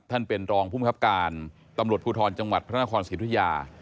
ท่านเป็นรองภูมิครับการตำรวจภูทรจังหวัดพระนครศิริยา